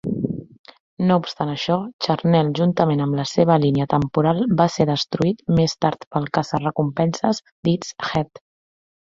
No obstant això, Charnel juntament amb la seva línia temporal va ser destruït més tard pel caça-recompenses Death's Head.